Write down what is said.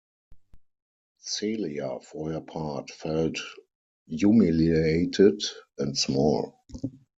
Celia, for her part, felt humiliated and small.